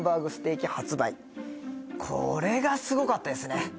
これがすごかったですね